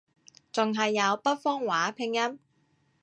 仲係有北方話拼音